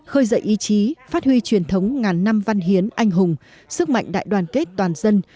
khơi dậy ý chí phát huy truyền thống ngàn năm văn hiến anh hùng sức mạnh đại đoàn kết toàn dân